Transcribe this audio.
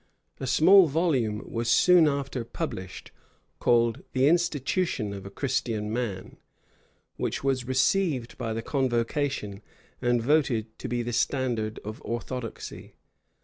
A small volume was soon after published, called the Institution of a Christian Man, which was received by the convocation, and voted to be the standard of orthodoxy.